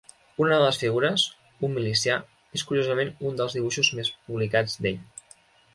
Una de les figures, un milicià, és curiosament un dels dibuixos més publicats d'ell.